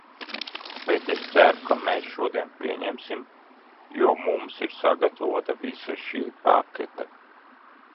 Bet es ceru, ka mēs šodien pieņemsim, jo mums ir sagatavota visa šī pakete.